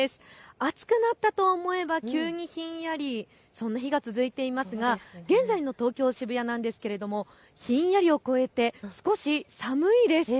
暑くなったと思えば急にひんやり、そんな日が続いていますが現在の東京渋谷、ひんやりを超えて少し寒いです。